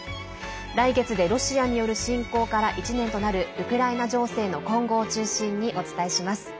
来月でロシアによる侵攻から１年となるウクライナ情勢の今後を中心にお伝えします。